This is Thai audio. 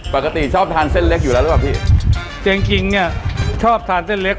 ปกติชอบทานเส้นเล็กอยู่แล้วหรือเปล่าพี่เจ๊งจริงเนี่ยชอบทานเส้นเล็ก